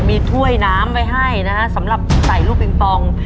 มีถ้วยน้ำไว้ให้นะฮะสำหรับใส่ลูกปิงปอง